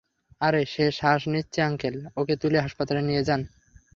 আরে, সে শ্বাস নিচ্ছে আঙ্কেল, ওকে তুলে হাসপাতালে নিয়ে যান।